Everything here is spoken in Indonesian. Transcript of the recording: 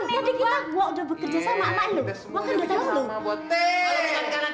tadi kita udah bekerja sama mak